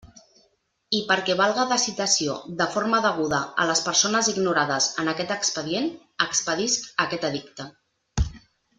I perquè valga de citació de forma deguda a les persones ignorades en aquest expedient, expedisc aquest edicte.